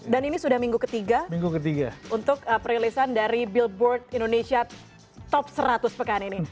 dan ini sudah minggu ketiga untuk perilisan dari billboard indonesia top seratus pekan ini